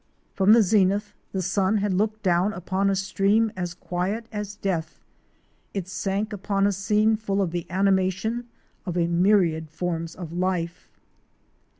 From the zenith the sun had looked down upon a stream as quiet as death; it sank upon a scene full of the animation of a myriad forms of life.